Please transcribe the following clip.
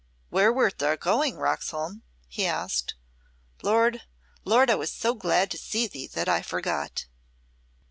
"Where wert thou going, Roxholm?" he asked. "Lord, Lord, I was so glad to see thee, that I forgot."